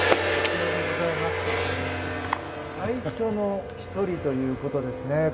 最初の一人ということですね。